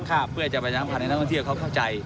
เพื่อจะประชาสัมพันธ์ให้นักท่องเที่ยวเขาเข้าใจ